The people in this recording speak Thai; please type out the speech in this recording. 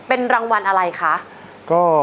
เป็นรางวัลอะไรคะ